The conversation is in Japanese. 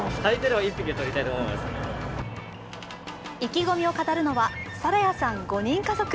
意気込みを語るのは皿屋さん５人家族。